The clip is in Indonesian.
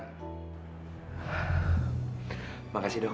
terima kasih dok